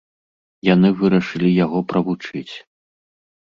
Яны вырашылі яго правучыць.